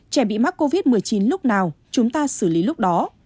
trẻ bị mắc covid một mươi chín lúc nào chúng ta xử lý lúc đó